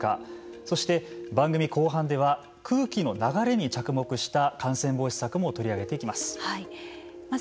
そして番組後半では空気の流れに着目した感染防止策も取り上げていきます。